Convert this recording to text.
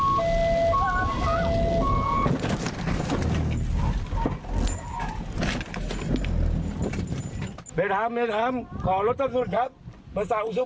เวทามเวทามขอรับรับสนุนครับภาษาอุตสุขประเทศ